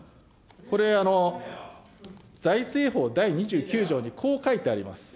これ、財政法第２９条にこう書いてあります。